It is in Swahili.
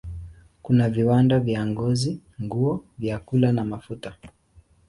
Kuna viwanda vya ngozi, nguo, vyakula na mafuta.